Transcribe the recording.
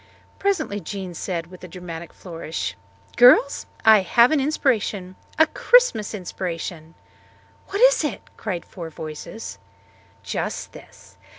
Presently Jean said with a dramatic flourish, "Girls, I have an inspiration a Christmas inspiration!" "What is it?" cried four voices. "Just this.